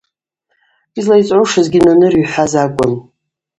Йызлайцӏгӏушызгьи Наныра йхӏваз акӏвын.